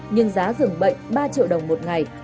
nhưng giá giường bệnh ba triệu đồng một ngày